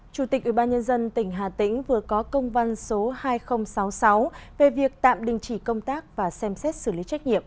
chủ tịch ubnd tỉnh hà tĩnh vừa có công văn số hai nghìn sáu mươi sáu về việc tạm đình chỉ công tác và xem xét xử lý trách nhiệm